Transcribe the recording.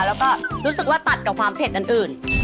แล้วก็รู้สึกว่าตัดกับความเผ็ดอื่น